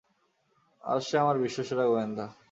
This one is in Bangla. আসছে আমার বিশ্বসেরা গোয়েন্দা!